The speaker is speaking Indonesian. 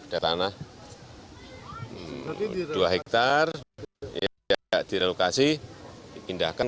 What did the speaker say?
di tanah dua hektare tidak direlokasi diindahkan